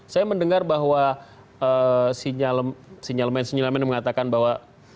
saya mendengar bahwa sinyalmen sinyalmen yang mengatakan bahwa